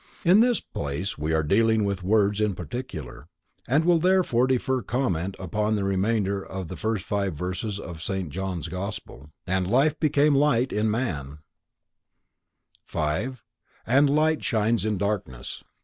In this place we are dealing with worlds in particular, and will therefore defer comment upon the remainder of the first 5 verses of St. John's gospel: "And Life became Light in man, 5) _and Light shines in Darkness.